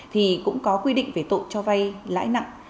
thì cũng có quy định về tội cho vay lãi nặng